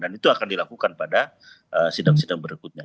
dan itu akan dilakukan pada sidang sidang berikutnya